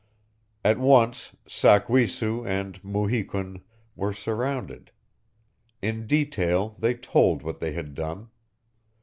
At once Sak we su and Mu hi kun were surrounded. In detail they told what they had done.